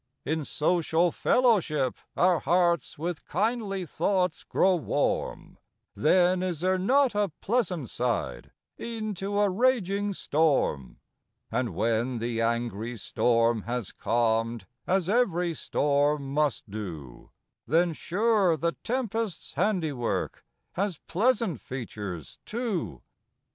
In social fellowship, our hearts With kindly thoughts grow warm; Then is there not a pleasant side, E'en to a raging storm? And when the angry storm has calm'd, As ev'ry storm must do, Then, sure, the tempest's handiwork, Has pleasant features, too.